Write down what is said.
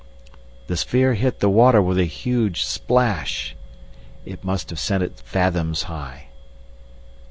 The sphere hit the water with a huge splash: it must have sent it fathoms high.